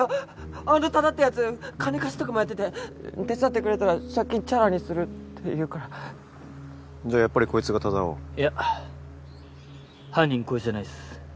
あの多田ってやつ金貸しとかもやってて手伝ってくれたら借金チャラにするっていうからじゃあやっぱりこいつが多いや犯人こいつじゃないっす